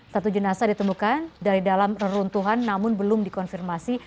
satu jenazah ditemukan dari dalam reruntuhan namun belum dikonfirmasi